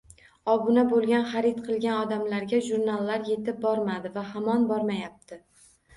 Obuna bo‘lgan, xarid qilgan odamlarga jurnallar yetib bormadi va hamon bormayapti.